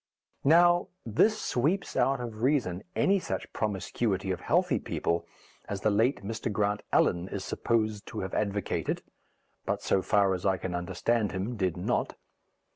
Now, this sweeps out of reason any such promiscuity of healthy people as the late Mr. Grant Allen is supposed to have advocated but, so far as I can understand him, did not.